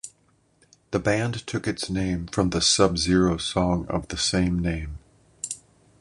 The band took its name from the Subzero song of the same name.